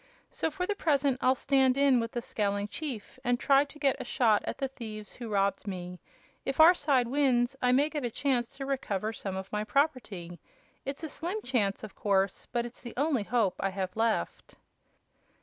So for the present I'll stand in with the scowling chief and try to get a shot at the thieves who robbed me. If our side wins I may get a chance to recover some of my property. It's a slim chance, of course, but it's the only hope I have left."